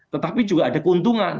tetapi juga ada keuntungan